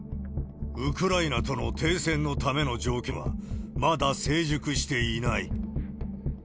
ウクライナとの停戦のための条件はまだ成熟していない。